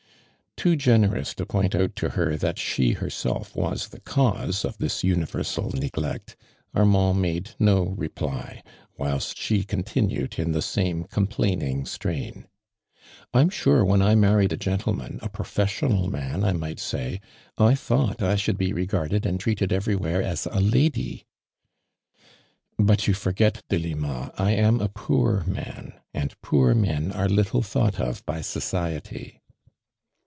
Too generous to point out to her that she harself was the csiuse of this universal neglect, Armand made no reply, whilst she continued in the same complaining strain :'' I'm sure when 1 married a gentleman, a professional man 1 may say, I thought I should be regarded and treated everywhere as a lady !" "But you forget, Delima, I am a poor man, and poor men are little thought of by society."